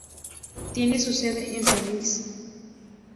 Tiene su sede en San Luis.